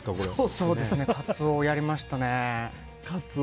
そうですねカツオやりましたね。